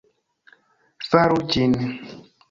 Faru ĝin.